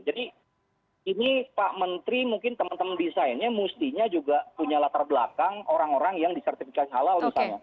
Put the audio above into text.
jadi ini pak menteri mungkin teman teman desainnya mestinya juga punya latar belakang orang orang yang disertifikasi halal misalnya